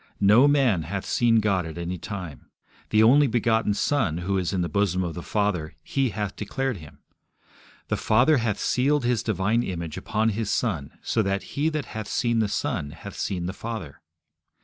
No man hath seen God at any time. The only begotten Son, who is in the bosom of the Father, He hath declared Him. The Father hath sealed His divine image upon His Son, so that he that hath seen the Son hath seen the Father.